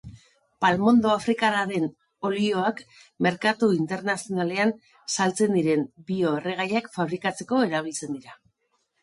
Palmondo afrikarraren olioak merkatu internazionalean saltzen diren bio-erregaiak fabrikatzeko erabiltzen dira.